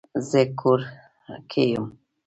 زه کور کې یم